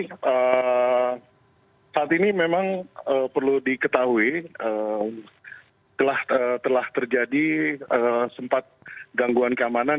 jadi saat ini memang perlu diketahui telah terjadi sempat gangguan keamanan